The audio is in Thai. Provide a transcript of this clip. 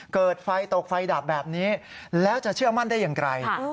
เกิดไฟตกไฟดับแบบนี้แล้วจะเชื่อมั่นได้อย่างไร